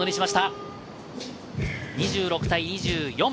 ２６対２４。